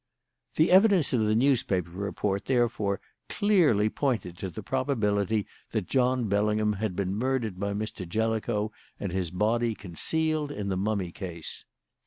"The evidence of the newspaper report, therefore, clearly pointed to the probability that John Bellingham had been murdered by Mr. Jellicoe and his body concealed in the mummy case.